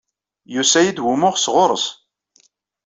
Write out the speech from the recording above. Yusa-iyi-d wumuɣ sɣur-s.